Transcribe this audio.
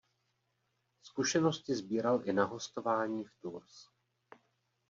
Zkušenosti sbíral i na hostování v Tours.